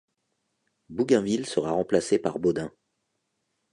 Bougainville sera remplacé par Baudin.